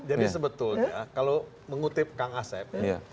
jadi sebetulnya kalau mengutip kang asep